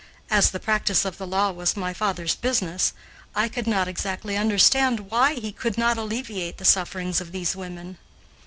As the practice of the law was my father's business, I could not exactly understand why he could not alleviate the sufferings of these women.